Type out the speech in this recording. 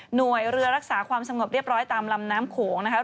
หน่วยเรือรักษาความสงบเรียบร้อยตามลำน้ำโขงนะครับ